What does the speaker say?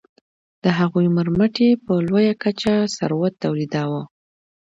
د هغوی پرمټ یې په لویه کچه ثروت تولیداوه.